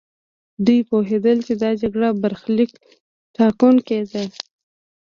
دوی پوهېدل چې دا جګړه برخليک ټاکونکې ده.